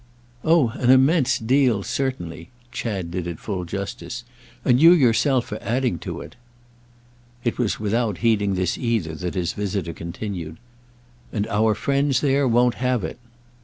"Oh an immense deal certainly"—Chad did it full justice. "And you yourself are adding to it." It was without heeding this either that his visitor continued. "And our friends there won't have it."